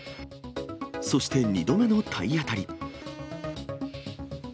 そして２度目の体当たり。